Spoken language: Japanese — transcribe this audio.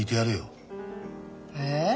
え？